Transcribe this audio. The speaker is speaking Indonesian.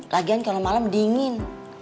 lagian kalau malam dingin